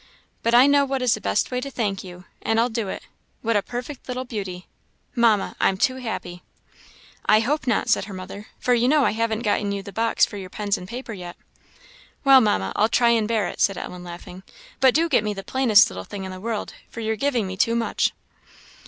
But I know what is the best way to thank you, and I'll do it. What a perfect little beauty! Mamma, I'm too happy!" "I hope not," said her mother; "for you know I haven't got you the box for your pens and paper yet." "Well, Mamma, I'll try and bear it," said Ellen, laughing. "But do get me the plainest little thing in the world, for you're giving me too much."